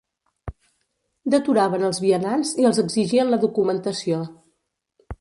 Deturaven els vianants i els exigien la documentació